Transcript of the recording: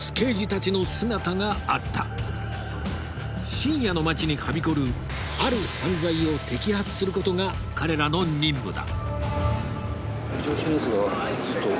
深夜の街にはびこるある犯罪を摘発することが彼らの任務だ